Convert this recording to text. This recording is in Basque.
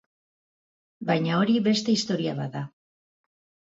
Baina hori beste historia bat da.